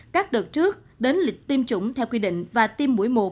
các đợt trước đến lịch tiêm chủng theo quy định và tiêm mũi một